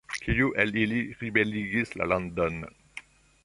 Kiu el ili ribeligis la landon?